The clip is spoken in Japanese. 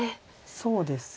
そうですね。